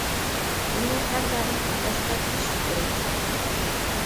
بۇنى ھەر دائىم ئەستە تۇتۇش كېرەك.